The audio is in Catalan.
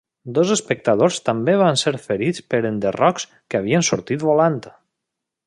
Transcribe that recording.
Dos espectadors també van ser ferits per enderrocs que havien sortit volant.